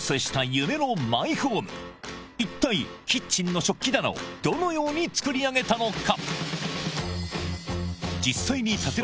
一体キッチンの食器棚をどのように作り上げたのか？